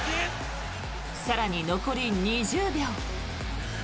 更に、残り２０秒。